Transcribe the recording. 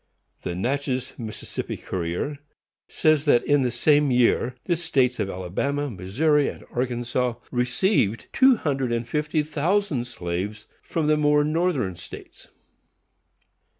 The Natchez (Miss.) Courier says that in the same year the States of Alabama, Missouri and Arkansas, received two hundred and fifty thousand slaves from the more northern states.